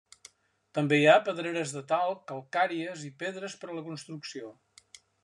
També hi ha pedreres de talc, calcàries i pedres per a la construcció.